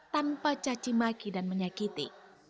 tanpa cacimaki dan menyakiti